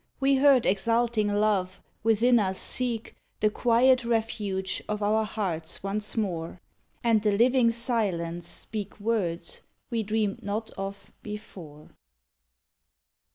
We heard exulting love within us seek The quiet refuge of our hearts once more, And the living silence speak Words we dreamed not of before!